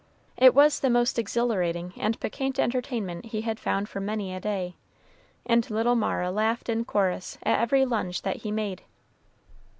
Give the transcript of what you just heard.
It was the most exhilarating and piquant entertainment he had found for many a day; and little Mara laughed in chorus at every lunge that he made.